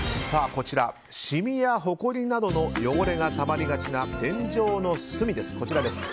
シミやほこりなどの汚れがたまりがちな天井の隅です。